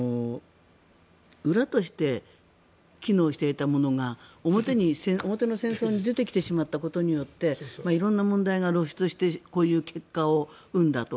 裏として機能していたものが表の戦争に出てきてしまったことによって色んな問題が露出してこういう結果を生んだと。